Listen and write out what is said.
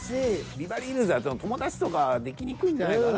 ビバリーヒルズは友達とか出来にくいんじゃないかな。